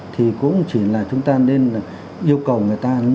thì cũng chỉ là chúng ta nên là yêu cầu người ta